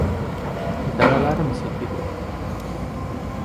Dalalarim selgidi